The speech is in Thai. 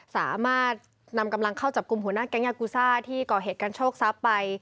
สามารถนำกำลังเข้าจับกลุ่มหัวหน้าแก๊งยากูซ่าที่ก่อเหตุการโชคทรัพย์ไป